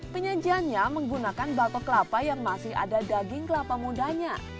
penyajiannya menggunakan batok kelapa yang masih ada daging kelapa mudanya